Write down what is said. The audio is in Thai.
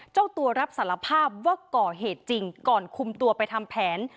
เจ้าตัวรับสารภาพว่าก่อเหตุจริงก่อนคุมตัวไปทำแผน